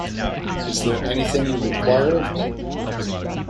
Is there anything that you require of me?